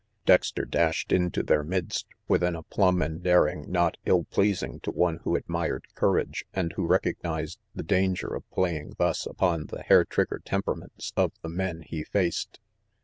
Dexter dashed into their midst with an aplomb and daring not ill pleasing to one who admired courage and who recognized the danger of playing thus upon the hair trigger temperaments of the men he faced.